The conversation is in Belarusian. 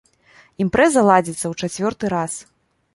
Імпрэза ладзіцца ў чацвёрты раз.